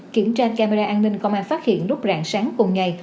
kiểm tra camera an ninh công an phát hiện lúc rạng sáng cùng ngày